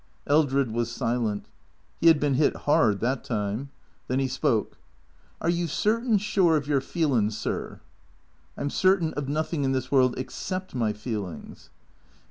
Eldred was silent. He had been hit hard, that time. Then he spoke. " Are you certain sure of your f eelin's, sir ?"" I 'm certain of nothing in this world except my feelings."